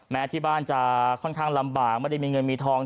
แม้ที่บ้านจะค่อนข้างลำบากไม่ได้มีเงินมีทอง